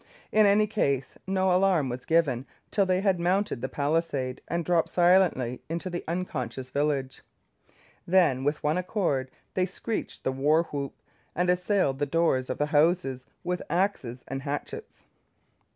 In any case, no alarm was given till they had mounted the palisade and dropped silently into the unconscious village. Then with one accord they screeched the war whoop, and assailed the doors of the houses with axes and hatchets.